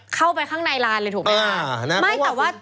เข้าไปข้างในลานเลยถูกไหมคะ